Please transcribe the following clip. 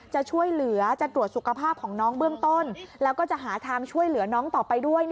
จะช่วยเหลือจะตรวจสุขภาพของน้องเบื้องต้นแล้วก็จะหาทางช่วยเหลือน้องต่อไปด้วย